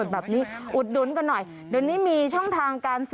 น้ำป่าเสดกิ่งไม้แม่ระมาศ